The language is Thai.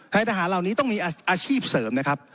ทหารเหล่านี้ต้องมีอาชีพเสริมนะครับ